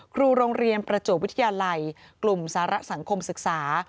ครูโรงเรียนประจวบวิทยาลัยกลุ่มสารสังคมศึกษา